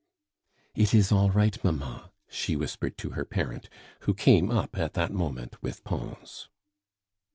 "It is all right, mamma," she whispered to her parent, who came up at that moment with Pons.